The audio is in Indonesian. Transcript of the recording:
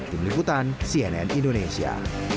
demikian cnn indonesia